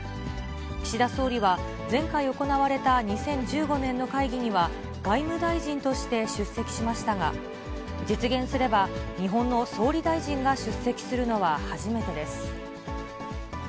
岸田総理は、前回行われた２０１５年の会議には外務大臣として出席しましたが、実現すれば、日本の総理大臣が出席するのは初めてです。